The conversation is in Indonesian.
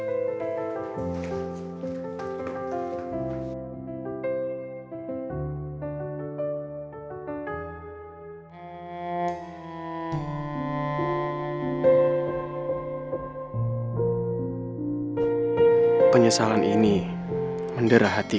kenapa banyak keadaan yang hangga dimana ini